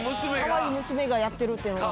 かわいい娘がやってるっていうのが。